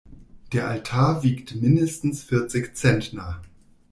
Der Altar wiegt mindestens vierzig Zentner.